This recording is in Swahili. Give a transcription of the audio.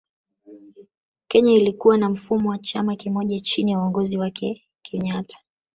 Kenya ilikuwa na mfumo wa chama kimoja chini ya uongozi wake kenyatta